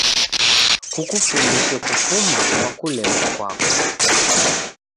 Kukufundishe kufuma kwa kulemwa kwako.